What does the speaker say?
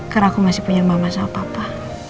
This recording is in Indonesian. karena aku masih punya mama apa apa